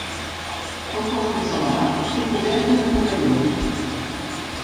El cos més elevat té coberta de pavelló.